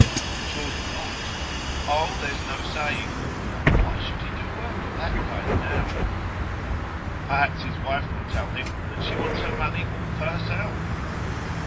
'Surely not!' 'Oh there's no saying.' 'Why should he do work of that kind now?' 'Perhaps his wife will tell him that she wants her money all for herself.